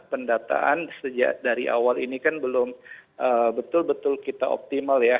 pendataan dari awal ini kan belum betul betul kita optimal ya